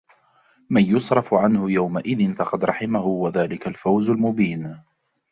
مَنْ يُصْرَفْ عَنْهُ يَوْمَئِذٍ فَقَدْ رَحِمَهُ وَذَلِكَ الْفَوْزُ الْمُبِينُ